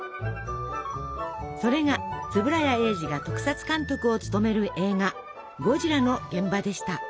それが円谷英二が特撮監督を務める映画「ゴジラ」の現場でした。